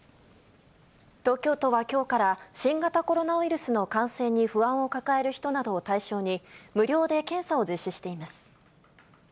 東京都はきょうから、新型コロナウイルスの感染に不安を抱える人などを対象に、無料で検査を実施しています。